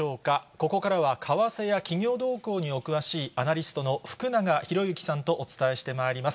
ここからは、為替や企業動向にお詳しい、アナリストの福永博之さんとお伝えしてまいります。